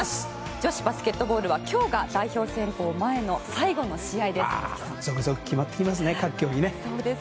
女子バスケットボールは今日が代表選考前の最後の試合です。